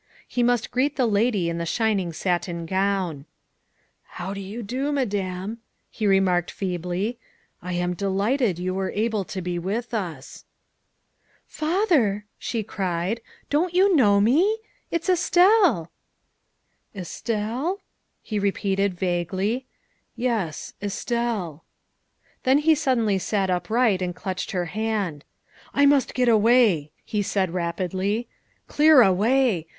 He must greet the lady in the shining satin gown. '' How do you do, Madame, '' he remarked feebly, '' I am delighted you were able to be with us." THE SECRETARY OF STATE 299 " Father," she cried, " don't you know me? It's Estelle." " Estelle?" he repeated vaguely, " yes, Estelle." Then he suddenly sat upright and clutched her hand. " I must get away," he said rapidly, " clear away.